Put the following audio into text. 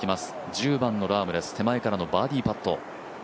１０番のラームです、手前からのバーディーパット。